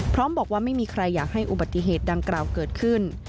พร้อมบอกว่าไม่มีใครอยากให้อุบัติเหตุดังกล่าวเกิดขึ้น